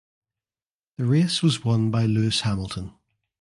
The race was won by Lewis Hamilton.